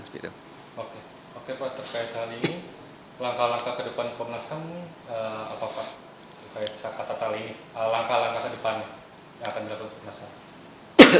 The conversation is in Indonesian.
oke pak terkait hal ini langkah langkah ke depan komnas ham ini apapun